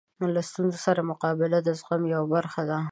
له ستونزو سره مقابله د زغم یوه برخه ده.